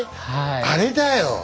あれだよ！